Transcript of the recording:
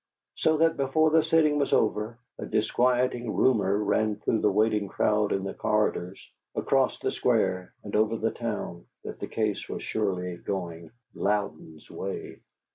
So that before the sitting was over, a disquieting rumor ran through the waiting crowd in the corridors, across the Square, and over the town, that the case was surely going "Louden's way."